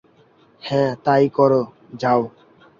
হ্যা তাই করো, যাও।